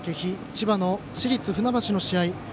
千葉の市立船橋の試合